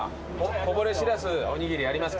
こぼれしらすおにぎりありますか？